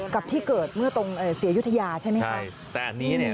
กับที่เกิดเมื่อตรงเสียยุฒิยาใช่ไหมคะ